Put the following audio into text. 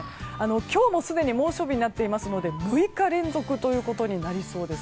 今日もすでに猛暑日になっていますので６日連続ということになりそうです。